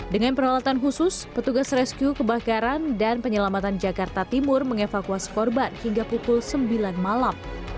dengan peralatan khusus petugas rescue kebakaran dan penyelamatan jakarta timur mengevakuasi korban hingga pukul sembilan malam